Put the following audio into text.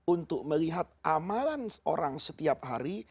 untuk melihat amalan orang setiap hari